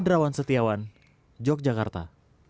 hedrawan setiawan yogyakarta